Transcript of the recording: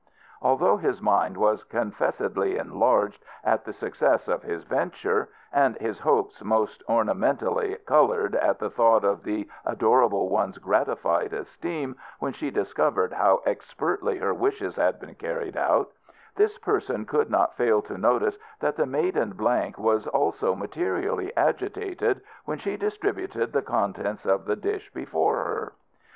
Although his mind was confessedly enlarged at the success of his venture, and his hopes most ornamentally coloured at the thought of the adorable one's gratified esteem when she discovered how expertly her wishes had been carried out, this person could not fail to notice that the Maiden Blank was also materially agitated when she distributed the contents of the dish before her.